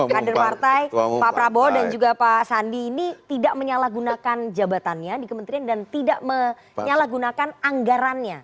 kader partai pak prabowo dan juga pak sandi ini tidak menyalahgunakan jabatannya di kementerian dan tidak menyalahgunakan anggarannya